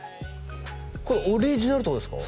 これオリジナルってことですか？